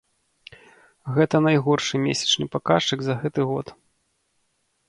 Гэта найгоршы месячны паказчык за гэты год.